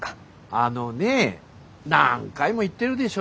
あのね何回も言ってるでしょ？